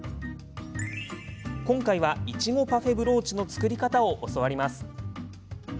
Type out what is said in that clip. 今回は、いちごパフェブローチの作り方を教わります。